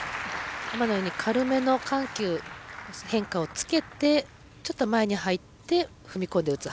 今のように軽めの緩急変化をつけてちょっと前に入って踏み込んで打つ。